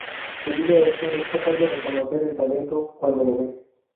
Debido a esto, es capaz de reconocer el talento cuando lo ve.